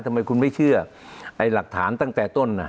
ทำไมคุณไม่เชื่อไอ้หลักฐานตั้งแต่ต้น